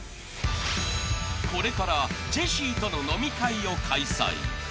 ［これからジェシーとの飲み会を開催］